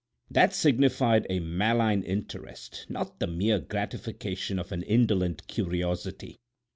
That signified a malign interest—not the mere gratification of an indolent curiosity.